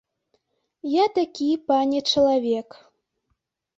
Я такі, пане, чалавек.